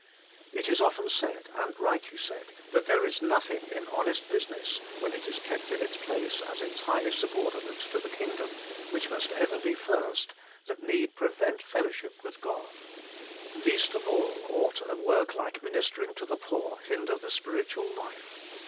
It is often said, and rightly said, that there is nothing in honest business, when it is kept in its place as entirely subordinate to the kingdom, which must ever be first, that need prevent fellowship with God. Least of all ought a work like minister ing to the poor hinder the spiritual life.